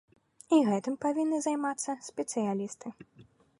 І гэтым павінны займацца спецыялісты.